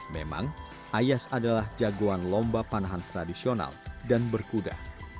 memang ayas adalah jagoan lomba panahan tradisional dan berkuda